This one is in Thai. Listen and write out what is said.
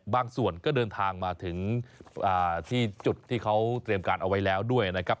บางส่วนก็เดินทางมาถึงที่จุดที่เขาเตรียมการเอาไว้แล้วด้วยนะครับ